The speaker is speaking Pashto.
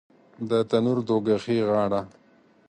د تنور دوږخي غاړه